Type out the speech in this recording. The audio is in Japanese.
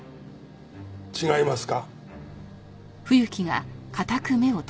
違いますか？